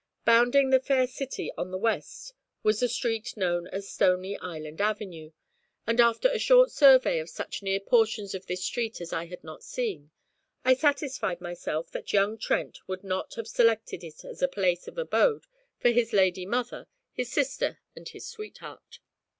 Bounding the Fair City on the west was the street known as Stony Island Avenue, and after a short survey of such near portions of this street as I had not seen, I satisfied myself that young Trent would not have selected it as a place of abode for his lady mother, his sister, and his sweetheart.